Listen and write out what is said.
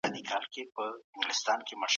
ایا مسلکي بڼوال پسته اخلي؟